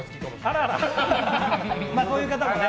あららそういう方もね。